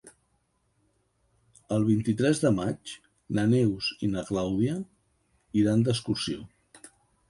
El vint-i-tres de maig na Neus i na Clàudia iran d'excursió.